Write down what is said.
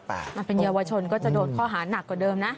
มาเป็นเยาวชนก็จะโดนข้อหานักกว่าเดิมนะ